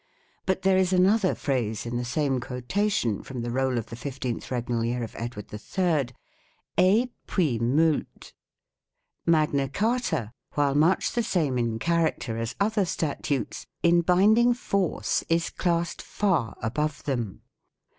But there is another phrase in the same quotation from the roll of 15 Edward III "Et puis molt ". Magna Carta, while much the same in char acter as other statutes, in binding force is classed far above them.